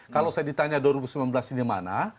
kalau saya ditanya dua ribu sembilan belas ini mana